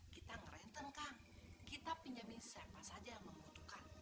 kita ngerenten gan kita pinjami siapa saja yang membutuhkan